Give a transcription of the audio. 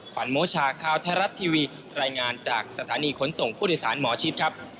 วันโมชาข่าวไทยรัฐทีวีรายงานจากสถานีขนส่งผู้โดยสารหมอชิดครับ